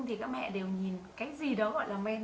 thì các mẹ đều nhìn cái gì đó gọi là men